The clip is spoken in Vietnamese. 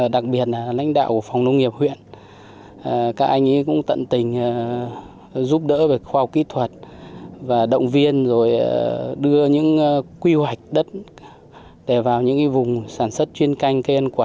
đặc biệt là lãnh đạo của phòng nông nghiệp huyện các anh ấy cũng tận tình giúp đỡ về khoa học kỹ thuật và động viên rồi đưa những quy hoạch đất để vào những vùng sản xuất chuyên canh cây ăn quả